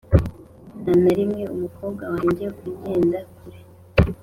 nta na rimwe, umukobwa wanjye ugenda kure